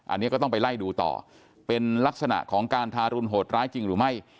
อันนี้ก็ต้องไปไล่ดูต่อเป็นลักษณะของการทารุณโหดร้ายจริงหรือไม่